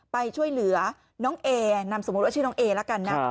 ไปช่วยเหลือน้องเอนามสมมุติว่าชื่อน้องเอละกันนะ